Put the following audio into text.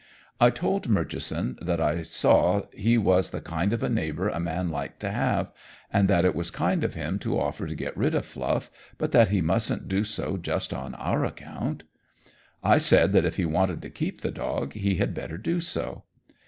I told Murchison that I saw he was the kind of a neighbor a man liked to have, and that it was kind of him to offer to get rid of Fluff, but that he mustn't do so just on our account. I said that if he wanted to keep the dog, he had better do so.